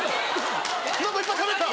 何かいっぱいしゃべった。